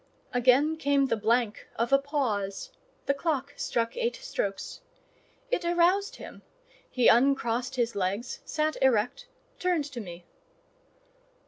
Again came the blank of a pause: the clock struck eight strokes. It aroused him; he uncrossed his legs, sat erect, turned to me.